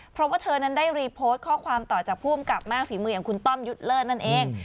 เพราะว่าเธอนั้นได้รีโพสต์ข้อความต่อจากผู้อำกับมากฝีมืออย่างคุณต้อมยุทธ์เลิศนั่นเอง